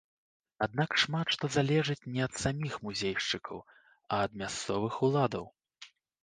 Аднак шмат што залежыць не ад саміх музейшчыкаў, а ад мясцовых уладаў.